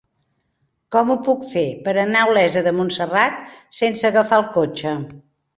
Com ho puc fer per anar a Olesa de Montserrat sense agafar el cotxe?